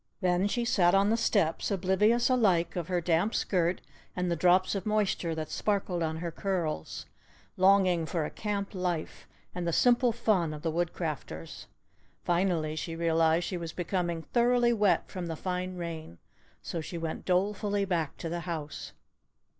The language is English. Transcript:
Then she sat on the steps oblivious alike of her damp skirt and the drops of moisture that sparkled on her curls, longing for a camp life and the simple fun of the Woodcrafters. Finally she realised she was becoming thoroughly wet from the fine rain so she went dolefully back to the house.